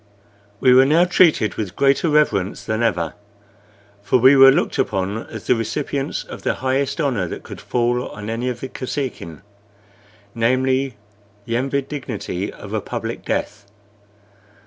We were now treated with greater reverence than ever, for we were looked upon as the recipients of the highest honor that could fall to any of the Kosekin namely, the envied dignity of a public death.